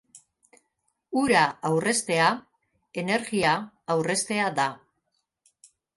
Ura aurreztea energia aurreztea da.